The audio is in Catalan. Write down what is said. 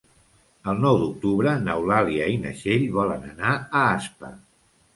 El nou d'octubre n'Eulàlia i na Txell volen anar a Aspa.